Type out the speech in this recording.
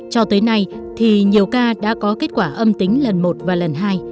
cho tới nay thì nhiều ca đã có kết quả âm tính lần một và lần hai